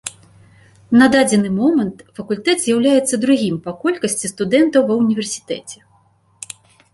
На дадзены момант факультэт з'яўляецца другім па колькасці студэнтаў ва ўніверсітэце.